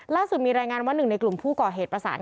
ล่าสุดมีรายงานว่าหนึ่งในกลุ่มผู้ก่อเหตุประสาน